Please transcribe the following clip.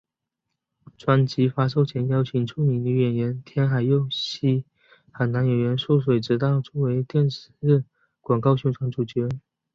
专辑发售前邀请了著名女演员天海佑希和男演员速水直道作为电视广告宣传主角。